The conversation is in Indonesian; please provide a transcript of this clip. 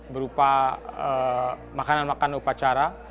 berupa makanan makanan upacara